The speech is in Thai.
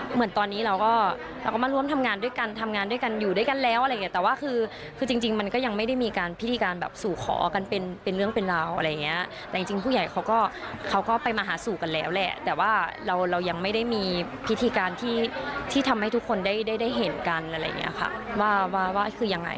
เหมือนตอนนี้เราก็มาร่วมทำงานด้วยกันทำงานด้วยกันอยู่ด้วยกันแล้วแต่ว่าคือจริงมันก็ยังไม่ได้มีการพิธีการแบบสู่ขอกันเป็นเรื่องเป็นราวอะไรอย่างนี้แต่จริงผู้ใหญ่เขาก็ไปมาหาสู่กันแล้วแหละแต่ว่าเรายังไม่ได้มีพิธีการที่ทำให้ทุกคนได้เห็นกันอะไรอย่างนี้ค่ะว่าคือยังไง